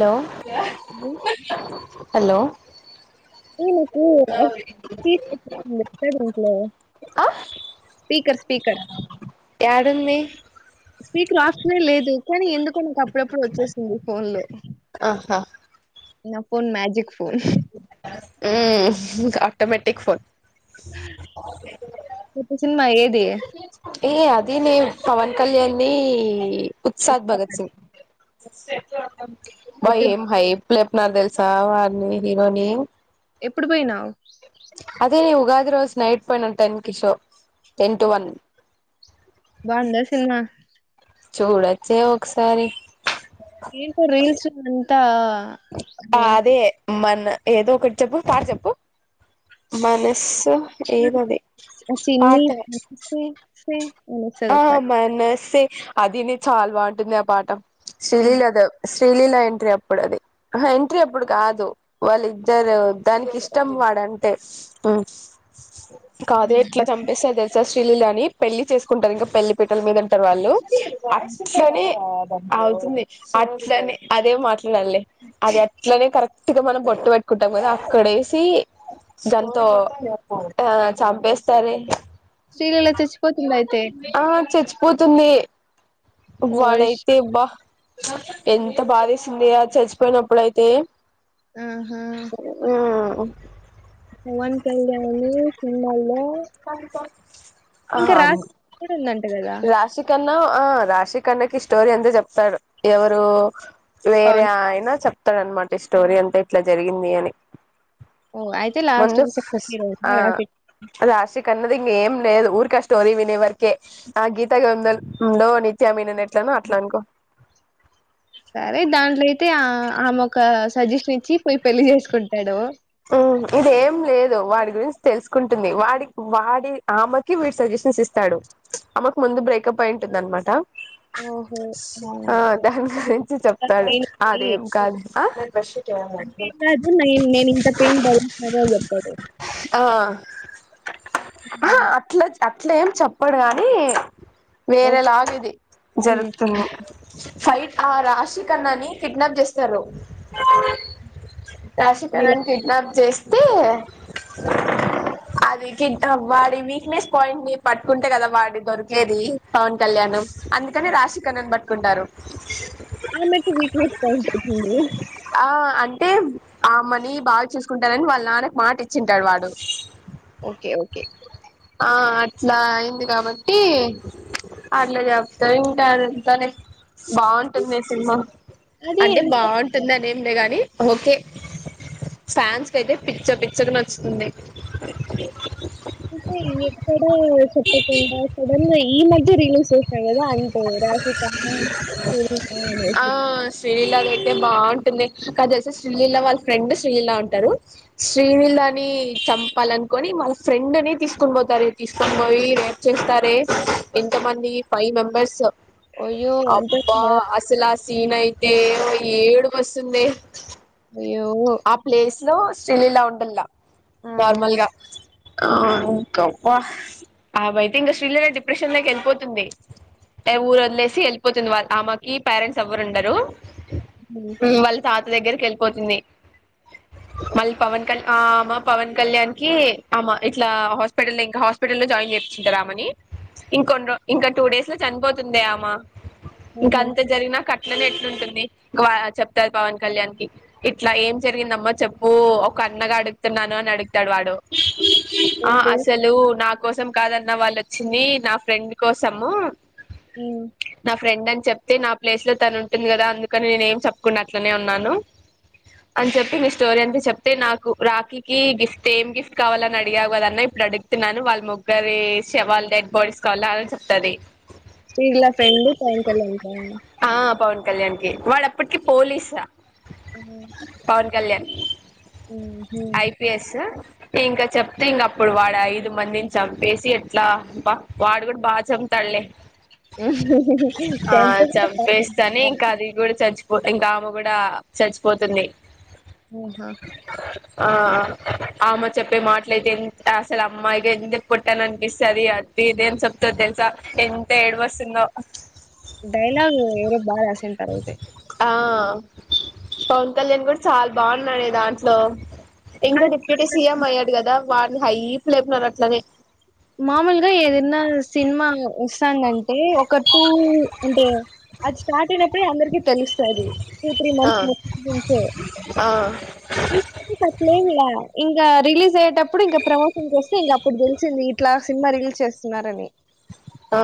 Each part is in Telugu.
లో లో ఏ హలో [unintelligible] ఆ స్పీకర్ స్పీకర్ టుంది స్పీడ్ కఫనే లేదు కానీ ఎందుకో నాకు అప్పుడప్పుడు వచ్చేసింది ఫోన్ లో నా ఫోన్ మ్యాచ్ మ్ ఆటోమేటిక్ ఫోల్ కొత్త సినిమా ఏది ఏ అది నే పవన్ కళ్యాణ్ ని ఉత్సాద్ భగత్ సింగ్. Safe zone. వై ఎప్పుడు ఏం హై. లేపున తెలుసా వారిని హీరోని ఎప్పుడు పోయినావ్ అదే ఉగాది రోజు నైట్ పోయినా టెన్ కిషో టెన్ టు వన్ బావుందా సినిమా చూడొచ్చే ఒకసారి ఏంట రీల్స్ అంతా అ [unintelligible] అదే మన ఏదో ఒకటి చెప్పు పారు చెప్పు మనస్సు ఏదది చిని పాట సె సె అని వస్తది అదనే చాలా బాగుంటుంది ఆ పాట శిలీల్ అదు పెళ్లిలా ఎంట్రీ అప్పుడది. ఎంట్రీ అప్పుడు కాదు, వాళ్ళ ఇద్దరు దానికి ఇష్టం వాడంటే. కాదే ఎట్లా చంపిస్తే తెలస్. పెళ్లి అని పెళ్లి చేసుకుంటారు, ఇంకా పెళ్లి పటల మీద ఉంటారు వాళ్ళు. వాయిస్ సికర్ అని. అవుతుంది, అట్లనే అదే మాట్లాడాల్లె. అది అట్లనే కరెక్ట్గా మనం పొట్టు పెట్టుకుంటాం కదా, అక్కడేసీ దాంతో ఆ చంపేస్తారె. శ్రీలీల చచ్చిపోతుంది అయితే. పోతుంది. ఓ వాడైతే ష్- బా. ఎంత బాధేసింది చచ్చి. పోయినప్పుడైయితే. ఆహా. ఓహ్. హువన్ కేలను సింలల్లో. [inaudible] ఇంకా రాసి కూడా ఉందండి. రాసి కన్నా. ఆ రాశికన్నాకి స్టోరీ అంత చెప్తాడు ఎవరు. వేరే పవన్ అయినా చెప్ప. ఉంటదాన్నమాట ఈ స్టోరీ అంతా ఇట్లా జరిగింది అని. ఓ అయితే లాస్ట్ ముందు [unintelligible] కన్నదింగ్ ఏం లేదు ఊరికే స్టోరీ వినే వరకే ఆ గీతా గోవిందంలో నిత్యామీనన్ ఎట్లనో అట్ల అనుకో సరే దాంట్లో అయితే, అ ఆమె ఒక సజిషన్ ఇచ్చి, పోయి పెళ్లి చేసుకుంటాడు. ఉమ్ ఇదే ఏం లేదు, వాడి గురించి తెలుసుకుంటుంది, వాడి వాడి ఆమెకి వీడి సజెషన్స్ ఇస్తాడు, ఆమే కు ముందు బ్రేకప్ అయింటుంది అన్నమాట. ఓహో ఆ దాని గురించి ఆ చెప్తాడు, పెయిన్కి అదేం కాదు ఆ. రషి. అంటే నేను కాదు నైన్ నేను. ఇంత పెయిన్ భరించను అని చెప్పాలే. ఆ అట్ల ఏం చెప్పడు కాని. ఓ వేరేలాగ ఇది ఉమ్, జరుగుతున్నామ్. ఫైట్ ఆ రాశిఖన్నాని కిడ్నాప్ చేస్తారు. తనని కిడ్నాప్ చేస్ తే ఆ కిడ్నాప్ వాడి వీక్నెస్ పాయింట్ ని పట్టుకుంటే కదా వాడి దొరికేది పవన్ కళ్యాణ్ ను అందుకని రాశిఖన్నా ను బట్ కుంటారు ఆమెకు వీక్నెస్ పాయింట్ అయితుంది టేం ఆమెన్ ని బాగా చూసుకుంటానని వాళ్ళ నాన్నకు మాట ఇచ్చింటాడు వాడు ఓకే ఓకే ఆ అట్లా అయింది కాబట్టి అట్లా చేప్తారు ఇంకా అదంతానే బాగుంటుంది సినిమా అది అంటే ఎంత బాగుంటుందనే ఉండే గాని ఓకే ఫ్యాన్స్ కు అయితే పిచ్చ పిచ్చకు నచ్చుతుంది అంటే ఎక్కడ చెప్పకుండా సడన్ ఈ మధ్య రిలీస్ చేసా కదా అంటే రాజ కర్మ అనేసి కథ అతే బాగుంటుంది కదేసి శ్రీలీల వాళ్ళ ఫ్రెండ్ శ్రీలీల ఉంటారు శ్రీలీలని చంపాలనుకొని వాళ్ళ ఫ్రెండ్ ని తీసుకొని పోతారు తీసుకొని పోయి రేప్ చేస్తారే ఎంత మంది ఫైవ్ మెంబర్స్ అయ్యో అంత అబ్బా అసలు సిన్ఐతే ఎదో ఏడు బస్సుందే అయ్యో లో శ్రీలీల ఉండల్లా ఆహా నార్మల్గా ఆ ఇంకా అబ్బా అవిఐతే ఇంకా శ్రీలీల డిప్రెషన్ లోకి వెళ్ళిపోతుంది ఏ ఊరు వదిలేసి వెళ్ళిపోతుంది వాళ్ళ ఆమెకి పేరెంట్స్ ఎవ్వరు ఉండరు ఏంటి ఉ వాళ్ళ తాత్ దగ్గరికి వెళ్ళిపోతుంది మళ్ళీ పవన్ కళ్యా ఆ అమ పవన్ కళ్యాణ్ కి అమ ఇట్లా హాస్పిటల్ ఇంకా హాస్పిటల్లో జాయిన్ చేర్పించింటరూ. ఆమె ని ఇంకొన్ని రో ఇంకా టూ డేస్ లో చనిపోతుందే అమ ఇంకాంత జరిగిన కట్ అనే ఎట్లుంటుంది చెప్తారు పవన్ కళ్యాణకి ఇట్లా ఏం జరిగిందమ్మో చెప్పు ఒక అన్నగా అడుగుతున్నాను అని అడుగుతాడు వాడు ఆ అసలు నాకు కోసం కాదన్న వాళ్ళుచ్చింది నా ఫ్రెండ్ కోసము నా ఫ్రెడ్ అంత చెప్తే నా ప్లేస్ లో తను ఉంటుంది కదా అందుకని నేనే ఏం చెప్పుకున్న అట్లనే ఉన్నాను అని చెప్పి మీ స్టోరీ అంతే చెప్తే నాకు రాఖీకి గిఫ్ట్ ఏమి గిఫ్ట్ కావాలని అడిగావు కదన్నా ఇప్పుడు అడుగుతున్నాను వాళ్ళ ముగ్గరి వాళ్ళ డెడ్ బాడీస్ కావాల అనిని చెప్తది శ్రీలా ఫ్రెండు సాయకాలం ఉంట కళ్యాణ కి వాడప్పటికి పోలీసా ఆ పవన్ కళ్యాణ్ ఐపిఎస్ ఇంకా చెప్తే ఇంక అప్పుడు వాడు ఐదు మందిని చంపేసి ఎట్లా వాడు కూడా బాగా చంపుతాలే చంపేస్తేనే ఇంకా అది కూడా [unintelligible] చచ్చిపో ఇంకా ఆమె కూడా చచ్ పోతుంది ఆహా ఆ ఆమె చెప్పే మాటలు అయితే ఎంత అసలు అమ్మాయిగ ఎందుకు పుట్టాన అనిపిస్తది. అదిదేం చెప్తది తెలుసా ఎంత ఏడుపు వస్తుందో. డైలాగ్ ఏరో బాగా రాసింటారు అయితే అ పవన్ కళ్యాణ్ కూడా చాలా బాగున్నాడే దాంట్లో ఇంకా అది డిప్యూటీ సీఎం అయ్యాడు కదా వాడిని హైప్ లేపుతానరు అట్లనే మామూలుగా ఏదన్నా సినిమా వస్తాందంటే ఒక టూ ఉంటే అచ్ స్టార్ట్ అయినప్పుడు అందరకి తెలుస్తది టూ త్రీ ఆ మంత్స్ ముం నుంచే ఆ అట్లేం క ఇంకా రిలీజ్ అయ్యేటప్పుడు ఇంకా ప్రమోషన్కి వస్తే ఇంక అప్పుడు తెలుస్తుంది. ఇట్లా సినిమా రీల్స్ చేస్తున్నారని ఆ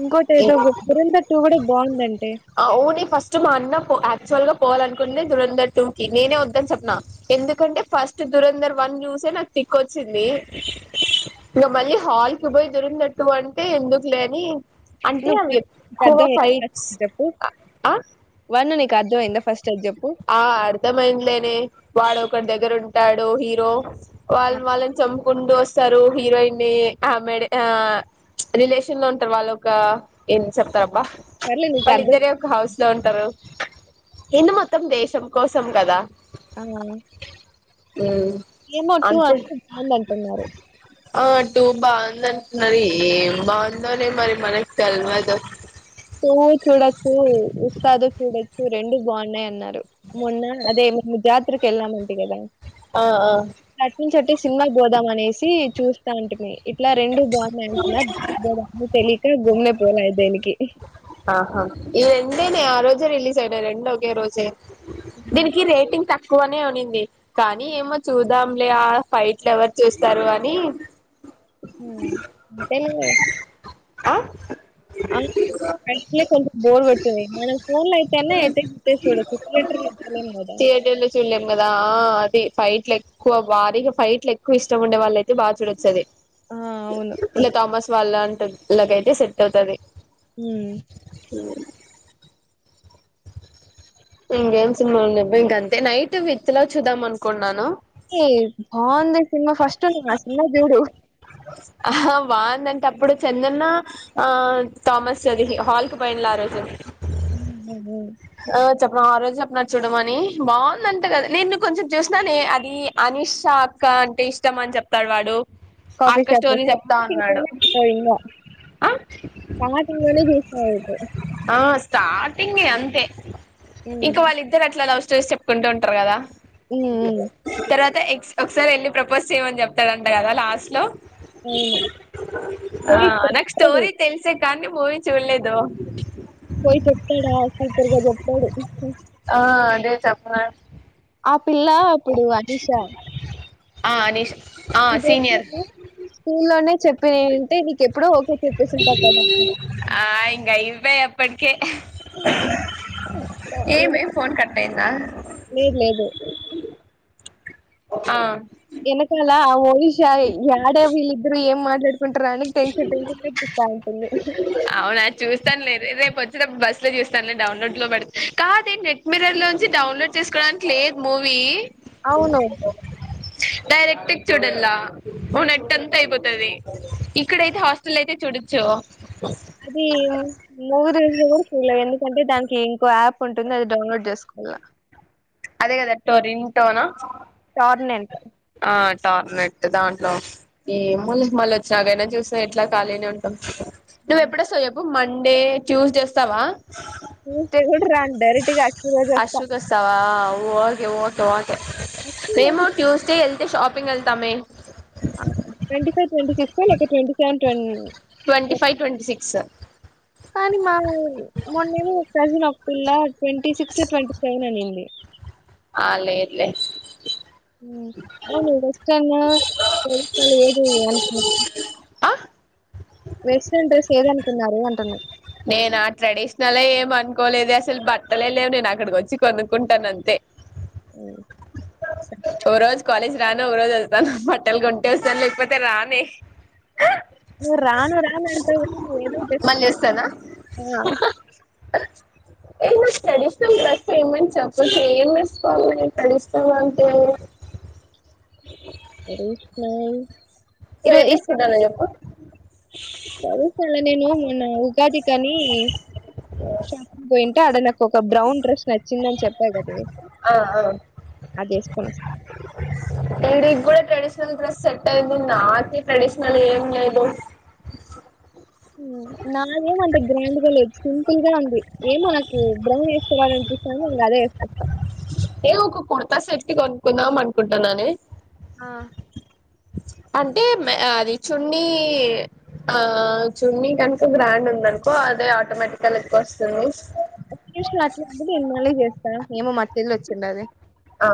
ఇంకోటేదో దురందర్ కూడా బాగుందండి ఊ న ఫస్ట్ మా అన్న ఆక్చువల్గా తకోవాలనుకునే దురంధర్ టూ కి నేనే వద్దని చెప్పన ఎందుకంటే ఫస్ట్ దురంధర్ వన్ చూసే నాకు తిక్కొచ్చింది ఇంక మళ్ళీ హాల్ కి పోయి దురంధర్ టూ అంటే ఎందుకు లేని అంటే అవి ఎక్కువ ఫైట్స్ నువ్వు ఆ బాను నీకు అర్థమంది ఫస్ట్ అది చెప్పు వన్ నీకు అర్థమైందా ఫస్ట్ అది చెప్పు ఆ అర్ధమైందలేనే వాడ ఒకడి దగ్గర ఉం టాడు హీరో ఆ, వాల్ వాళని చం కుండు వస్తారు హీరోయిన్ని ని ఆ మేడ ఆ రిలేషన్ లో ఉంటారు వాళ్ళు ఒక చెప్ రబ్బా సర్లే నీకు వాళ్ళు అర్థం ఇద్దరే ఒక హౌస్ లో ఉంటరు ఇన్న మ మొత్తం దేశం కోసం కదా ఆ ఏమట్టు అంతే అంట బాంద అంటున్నారు ఆ అ టూ బాగుంది అంటున్నారు ఏం బాగుందోలే మరి మనకి తెలవదు పోవు చూడొచ్చు ఉస్తాదు చూడొచ్చు రెండు బాగున్నాయి అన్నారు మొన్న అదే జా ఇత్రక ఎల్లా మంటగా ఎలా ఆ ఆ అంటే సినిమా పోదాం అనేసి చూస్తా అంట మీ ఇట్లా రెండు బాగున్నాయి అంటున్నారు తెలియక గుమ్ పోలేయి దేనికి ఇ ఆహా ఇది ఎందేనే ఆ రోజే రిలీస్ అయినా రెండ ఒకఓకే రోజే ఉమ్. దీనికి రేటింగ్ త తక్కువనే ఉనింది కానీ ఏమో చూదాంలే ఆ ఫైట్లు ఎవరు చూస్తారు అని అ ఆ కొంచ బోర్ కొడతాది మనం ఫోన్ లో అయితే అన ఏట్లో గిట్ల చూడచు థియేటర్ లో చూడలేం కదా థియేటర్ లో చూడలేం కదా ఆ అది ఫైట్లు ఎక్కువ వారికి ఫైట్లు ఎక్కువ ఇష్టం ఉండే వాళ్ళయితే బా చడొచ్చది ఆ అవును ఇ తమస్ వాళ్ళంటి క అయితే సెట్ అవుతుది హ అ ఇంగేం సిని అంతే నైట్ విత్ లో చూదాం అనుకోంన్నాను బాగుంది సినిమా ఫస్ట్ నువ్వు ఆ సినిమా చూడు ఆ బాగుందంటే అప్పుడు చెందన్న ఆ ామస్ చది హాల్ కు పైనలా ఆ రోజు ఉ ఆ చెప్పడం ఆ రోజు చెప్పన్నా చూడమని బాగుందంటే కదా నేను కొంచెం చూసిన న అది అనిష్షా అక్క అంటే ఇష్టం అని చెప్తాడు వాడు ఆ కాఫీ అక్క స్టోరీ షాప్టింగ్ చెప్తా ఉన్నాడు సాటింగ్లే ఇంకా ఆ సాటింగ్లే జెస ఆ స్టార్టింగే అంతే ఇంకా వాళ్ళిద్దరు ఎట్లాస్ చూసి చెప్పుకుంటూ ఉంటారు కదా తర్వాత ఎక్స్ ఒకసారి ఎళ్లి ప్రపోజ్ చేయమని చెప్తాడంట కదా లాస్ట్ లో అవును ఆ పోయి నాకు చెప్తాడు స్టోరి తెల్సే కాని మూవీ చూళ్ళేదు పోయి చెప్తాడు ఆకు ఆ అదే చెప్పనా ఆ పిల్ల ఇప్పుడు అనీష ఆ అనీష్ ఆ ఇదే సీనియర్ నేను స్కూల్లోనే చెప్ ఏంటి ది ఎప్పుడో ఓకే చెప్పేసుంటారు కదా పకే ఏమి ఫోన్ కట్ అయిందా లెద్ లేదు ఆ ఎనకాల అవో షాయి యాడ వీళ్ళు ఇద్దరు ఎం మ కుంటారనికి టెన్షన్ టెన్షన్ పెట్స్తా ఉంటుంది అవునా చూస్తానులే రేపు బస్ లో చేస్తాలే డౌన్లోడ్ లో పడి, కాదే నెట్ మిరర్ లో నుంచి డౌన్లోడ్ చేసుకోవడానికి లేదు మూవీ అవును డైరెక్ట్ చూడల నెట్ అంత అయిపోతది ఇక్కడైతే హాస్టల్ అయితే చూడొచ్చు అది మూరు ఎవరు చూడాలే ఎందుకంటే, దానికి ఇంకో యాప్ ఉంటుంది అది డౌన్లోడ్ చేసుకోవాల అదే కదా టో రింగ్టోన్ టార్నెంట్ ార్నెట్ దాంట్లో ఈ మల మళ్ళీ వచ్చినాకైనా చూస్తే ఎట్లా ఖాళీని ఉంటాం నువ ఎప్పుడు వస్తావ్ చెప్పు మండే ట్యూస్డే వస్తావా ఇకే కూడా రాన్ డైరెక్ట్గా యాక్టివ గా చేస్తా ఒకె ఒకే ఒ మేము ట్యూస్డే ఎల్ షాపింగ్ ఎల్తామే ఏంటి ట్వంటీ సిక్స్ లేక twenty seven ten twenty five twenty six కానీ మా మొన్నేమో ఒక్కాసి ఓపిల్లా ట్వంటీ సిక్స్ ట్వంటీ సెవెన్ అనింది ఆలెద్ లే ఆ [inaudible] వెస్ట్రన్ డ్రస్ ఏదనుకున్నారు అంటున్నా నేను ఆ ట్రెడిషనల్ ఏమ అనుకోలేదు, అసలు బట్టలే లేవు నేను అక్కడికి వచ్చి కొనుక్కుంటాను అంతే మ్ ఓ రోజు కాలేజ్ రాను ఒక రోజు వస్తాను బట్టలు కొంటే వస్తాను లేకపోతే రానే నువ్వు రాను రాను అంటావు గానీ ఏదో మళ్ళీ వస్తానా [inaudible] ఏ నాకు ట్రెడిషనల్ డ్రెస్ ఏమని చెప్పొచ్చు ఏం వేసుకోవాలి ట్రెడిష్ నువ్వంటే రేష్ణయి ఏం వేసుకుంటానో ఈరోజాల చెప్పు నేను మొన్న ఉగాది కాని షాపింగ్ పోయింటే అడన ఒక బ్రౌన్ రడ్రెష్ నచ్చిందని చెప్పా కద ఆ ఆ అది వసుకొని వస్తా ఈడికి కూడా ట్రెడిషనల్ డ్రెస్ సెట్యి నాక ట్రెడిషనల్ ఏంయిదు నాం అంత గ్రాండ్గాలజ సింపుల్ గా ఉంది ఏం మనకు బ్రమ్ వేసుకోవాలంట సంగా అదేస్త ప్లాస్ఏట్కి కొనుక్కుందాం అనుకుంటాన్నాని ఆ! అంటే అది చున్నీ ఆ చున్నీ కనుక బ్రాండ్ ఉంది అనుకో అదే ఆటోమేటిక్ ఎక్కువ వస్తుంది ఒక నిమిష అట్లా ఇమళ చేస్తా ఏమో మట్ ఇల్లు వచ్చిండ అది ఆ